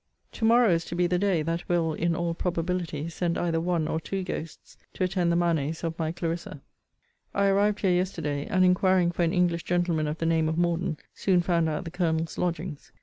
To morrow is to be the day, that will, in all probability, send either one or two ghosts to attend the manes of my CLARISSA. I arrived here yesterday; and inquiring for an English gentleman of the name of Morden, soon found out the Colonel's lodgings.